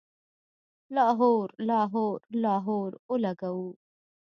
لاهور، لاهور، لاهور اولګوو